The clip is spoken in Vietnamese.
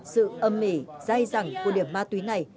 sự âm mỉ dai dẳng của điểm ma túy này